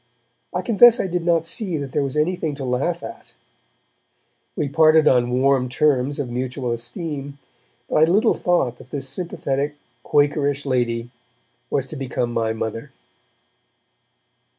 I confess I did not see that there was anything to laugh at. We parted on warm terms of mutual esteem, but I little thought that this sympathetic Quakerish lady was to become my mother.